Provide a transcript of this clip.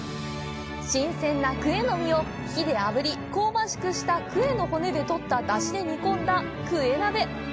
新鮮なクエの身を火で炙り香ばしくしたクエの骨でとった出汁で煮込んだクエ鍋。